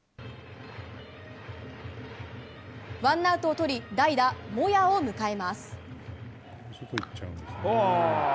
ワンアウトをとり代打モヤを迎えます。